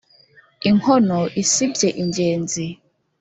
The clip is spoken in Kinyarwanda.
i nkono isiìbye ingezi